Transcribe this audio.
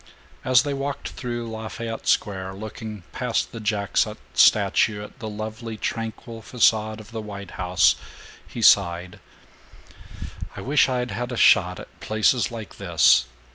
As they walked through Lafayette Square, looking past the Jackson statue at the lovely tranquil facade of the White House, he sighed, "I wish I'd had a shot at places like this.